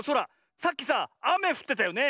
さっきさあめふってたよね。